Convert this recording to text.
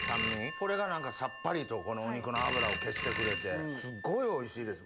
これが何かさっぱりとお肉の脂を消してくれてすっごいおいしいです。